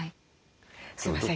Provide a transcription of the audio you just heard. すいません